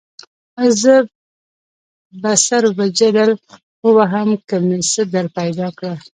زه به سر وجدل ووهم که مې څه درپیدا کړه.